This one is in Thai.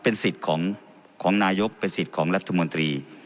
เป็นสิทธิ์ของนายกเป็นสิทธิ์ของรัฐมนตรี